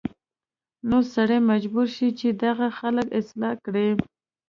نو سړی مجبور شي چې دغه خلک اصلاح کړي